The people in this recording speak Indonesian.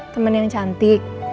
temen yang cantik